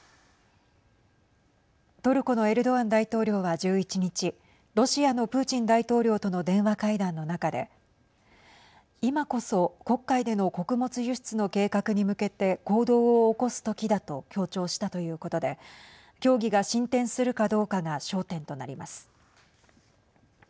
トルコのエルドアン大統領は１１日ロシアのプーチン大統領との電話会談の中で今こそ黒海での穀物輸出の計画に向けて行動を起こすときだと強調したということで協議が進展するかどうかが焦点となります。